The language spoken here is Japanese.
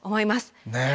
ねえ。